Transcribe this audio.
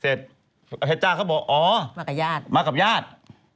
เสร็จเพชรจ้าเขาบอกอ๋อมากับญาติ